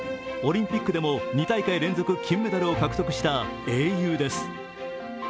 オリンピックでも２大会連続金メダルを獲得した英雄です。